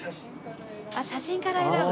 あっ写真から選ぶ。